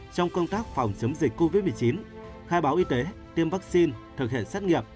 trong công tác phòng chống dịch covid một mươi chín khai báo y tế tiêm vaccine thực hiện xét nghiệm